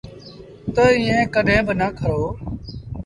تا ايٚئيٚن ڪڏهيݩ با نا ڪرو۔